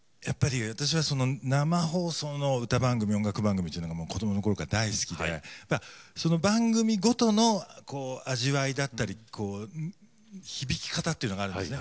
私は生放送の歌番組音楽番組というのが子どもの頃から大好きでその番組ごとの味わいだったり響き方というのがあるんですね。